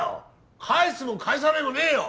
返すも返さねえもねえよ